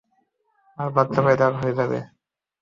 আর বাচ্চা পয়দা হয়ে যাবে?